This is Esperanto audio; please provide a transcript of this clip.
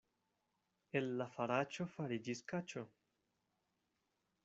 El la faraĉo fariĝis kaĉo.